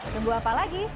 tunggu apa lagi